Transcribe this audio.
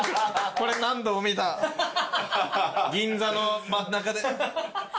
何度も見た銀座の真ん中で。